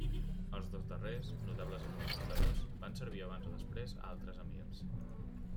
Els dos darrers, notables administradors, van servir abans o després a altres emirs.